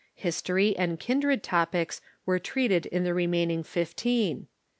History and kindred topics were treated in the remaining fifteen.